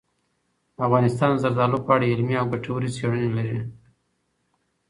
افغانستان د زردالو په اړه علمي او ګټورې څېړنې لري.